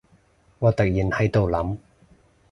我突然喺度諗